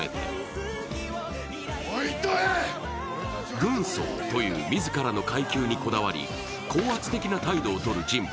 軍曹という自らの階級にこだわり、高圧的な態度を取る人物